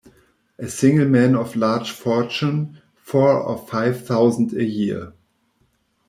A single man of large fortune; four or five thousand a year.